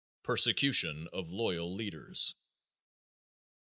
_Persecution of Loyal Leaders.